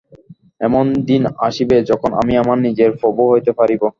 এমন দিন আসিবে, যখন আমি আমার নিজের প্রভু হইতে পারিব।